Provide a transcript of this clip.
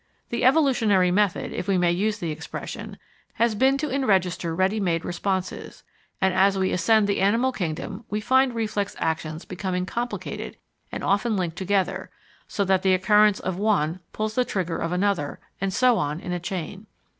The evolutionary method, if we may use the expression, has been to enregister ready made responses; and as we ascend the animal kingdom, we find reflex actions becoming complicated and often linked together, so that the occurrence of one pulls the trigger of another, and so on in a chain.